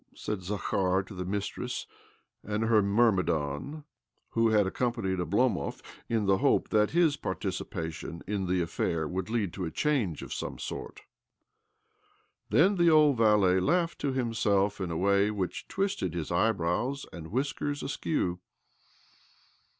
said Zakhar to the mistress and her myrmidon, who had accompanied Oblomov, in the hope that his participation in the affair would lead to a change of some sort. Then the old valet laughed to himself in a way which twisted his eyebrows and whiskers askew.